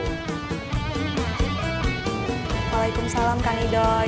waalaikumsalam kang lidoy